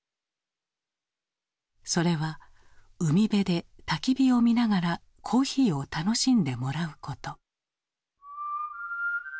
それは海辺でたき火を見ながらコーヒーを楽しんでもらうこと。